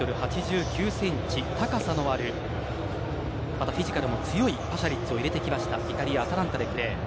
１ｍ８９ｃｍと高さもあり、フィジカルも強いパシャリッチを入れてきましたイタリア、アタランタでプレー。